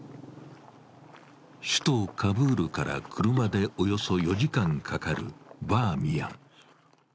首都カブールから車でおよそ４時間かかるバーミヤン。